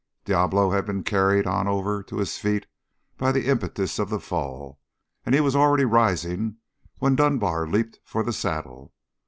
Diablo had been carried on over to his feet by the impetus of the fall, and he was already rising when Dunbar leaped for the saddle.